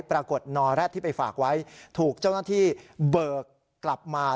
ปรากฏนอแร็ดที่ไปฝากไว้ถูกเจ้าหน้าที่เบิกกลับมา